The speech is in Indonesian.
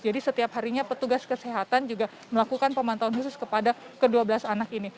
jadi setiap harinya petugas kesehatan juga melakukan pemantauan khusus kepada ke dua belas anak ini